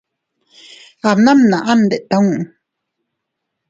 Abbnamnaʼa ndettu.